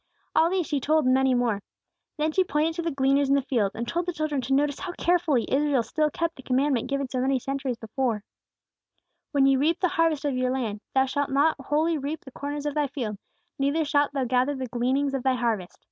All these she told, and many more. Then she pointed to the gleaners in the fields, and told the children to notice how carefully Israel still kept the commandment given so many centuries before: "When ye reap the harvest of your land, thou shalt not wholly reap the corners of thy field, neither shalt thou gather the gleanings of thy harvest.